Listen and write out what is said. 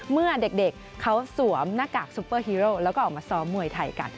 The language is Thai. เมื่อเด็กเขาสวมหน้ากากซุปเปอร์ฮีโร่แล้วก็ออกมาซ้อมมวยไทยกัน